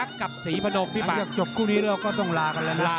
ถ้าจะจบคู่นี้เราก็ต้องลากันแล้วนะ